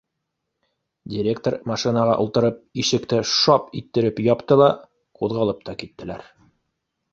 — Директор машинаға ултырып, ишекте шап иттереп япты ла, ҡуҙғалып та киттеләр.